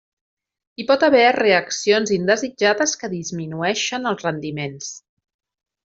Hi pot haver reaccions indesitjades que disminueixen els rendiments.